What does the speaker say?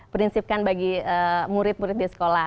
prinsipkan bagi murid murid di sekolah